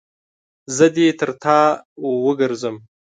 زه دې تر تا وګرځم.